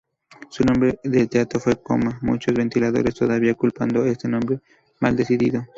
Su nombre del teatro fue "Koma"; muchos ventiladores todavía culpando este nombre "maldecido".